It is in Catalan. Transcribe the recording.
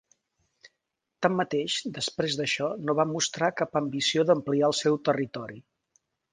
Tanmateix, després d'això no va mostrar cap ambició d'ampliar el seu territori.